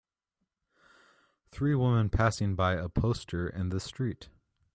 Three woman passing by a poster in the street.